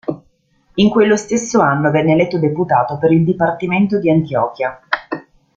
In quello stesso anno venne eletto Deputato per il Dipartimento di Antioquia.